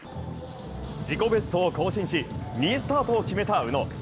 自己ベストを更新し、２位スタートを決めた宇野。